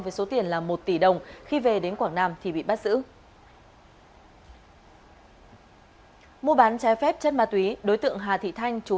với số tiền là một tỷ đồng khi về đến quảng nam thì bị bắt giữ